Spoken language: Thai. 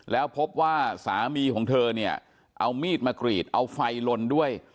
แล้วพบว่าสามีของเธอเนี่ยเอามีดมากรีดเอาไฟลนด้วย